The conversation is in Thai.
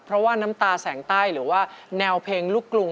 เพราะว่าน้ำตาแสงใต้หรือว่าแนวเพลงลูกกรุง